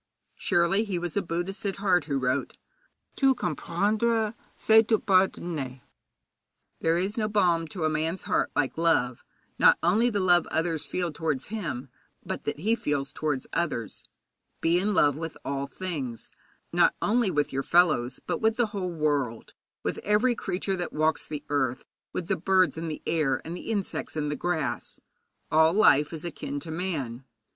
Surely he was a Buddhist at heart who wrote: 'Tout comprendre, c'est tout pardonner.' There is no balm to a man's heart like love, not only the love others feel towards him, but that he feels towards others. Be in love with all things, not only with your fellows, but with the whole world, with every creature that walks the earth, with the birds in the air, with the insects in the grass. All life is akin to man.